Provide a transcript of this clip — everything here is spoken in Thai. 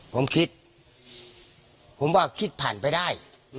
ผมคิดผมว่าคิดผ่านไปได้